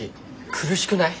苦しくない？